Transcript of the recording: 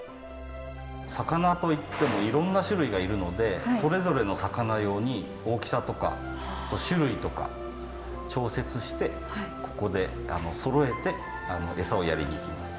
魚といってもいろんな種類がいるのでそれぞれの魚用に大きさとか種類とか調節してここでそろえて餌をやりに行きます。